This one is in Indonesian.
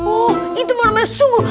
oh itu maksudnya sungguh